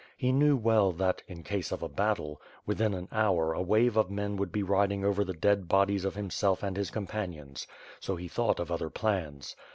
He knew well that, in case of a battle, within an hour a wave of men would be riding over fhe dead bodies of himself and his companions; so he thought of other plans.